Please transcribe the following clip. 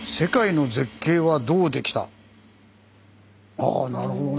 ああなるほどね。